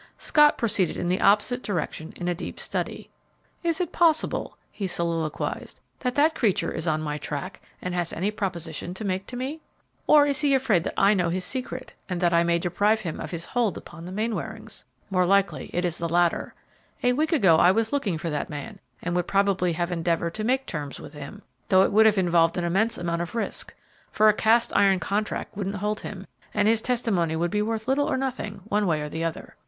Scott proceeded in the opposite direction in a deep study. "Is it possible," he soliloquized, "that that creature is on my track and has any proposition to make to me? Or, is he afraid that I know his secret, and that I may deprive him of his hold upon the Mainwarings? More likely it is the latter. A week ago I was looking for that man, and would probably have endeavored to make terms with him, though it would have involved an immense amount of risk, for a cast iron contract wouldn't hold him, and his testimony would be worth little or nothing, one way or the other."